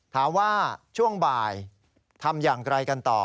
ถามว่าช่วงบ่ายทำอย่างไรกันต่อ